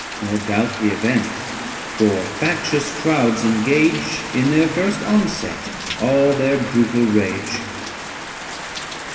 Nor doubt the event; for factious crowds engage In their first onset all their brutal rage.